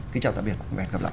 kính chào tạm biệt và hẹn gặp lại